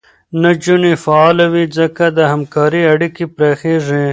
نجونې فعاله وي، ځکه د همکارۍ اړیکې پراخېږي.